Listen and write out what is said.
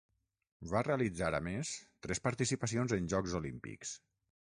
Va realitzar a més tres participacions en Jocs Olímpics.